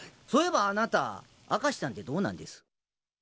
そういえばあなた明石さんてどうなんです？